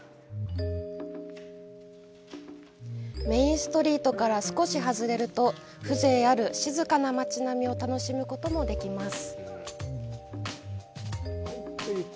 メインストリートから少し外れると、風情ある静かな街並みを楽しむこともできます。